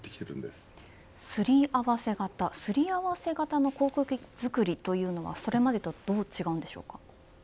すり合わせ型すり合わせ型の航空機作りというのはそれまでとはどう違うんでしょうか。